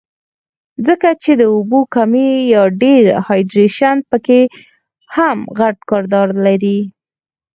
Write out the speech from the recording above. ځکه چې د اوبو کمے يا ډي هائيډرېشن پکښې هم غټ کردار لري